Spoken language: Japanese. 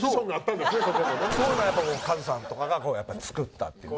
そういうのはカズさんとかがやっぱり作ったっていうね。